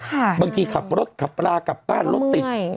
ค่ะบางทีขับรถขับรากลับบ้านรถติดมันก็เมื่อย